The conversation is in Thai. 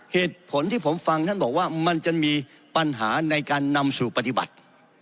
เหตุผลที่ผมฟังท่านบอกว่ามันจะมีปัญหาในการนำสู่ปฏิบัติ